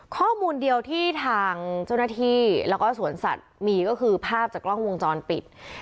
ข้อมูลเดียวที่ทางเจ้าหน้าที่แล้วก็สวนสัตว์มีก็คือภาพจากกล้องวงจรปิด